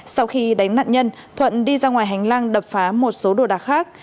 sau khi đánh nạn nhân thuận đi ra ngoài hành lang đập phá một số đồ đạc khác